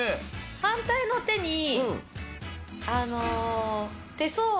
反対の手に手相。